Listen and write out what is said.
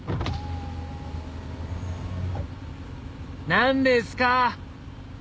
何ですか？